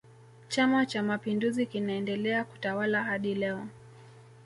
chama cha mapinduzi kinaendelea kutawala hadi leo